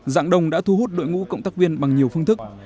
dạng đông đã thu hút đội ngũ cộng tác viên bằng nhiều phương thức